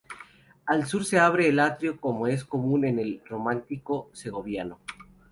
Al sur se abre el atrio, como es común en el románico segoviano.